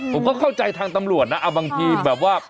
ผมก็เข้าใจทางตำรวจนะเอาบางทีแบบว่า